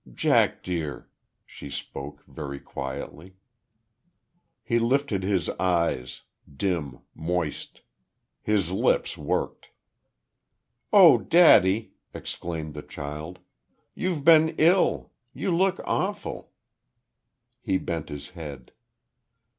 "Jack, dear." She spoke, very quietly. He lifted his eyes, dim, moist. His lips worked. "Oh, daddy!" exclaimed the child. "You've been ill! You look awful!" He bent his head.